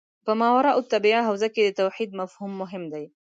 په ماورا الطبیعه حوزه کې د توحید مفهوم مهم دی.